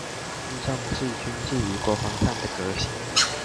均重視軍事與國防上的革新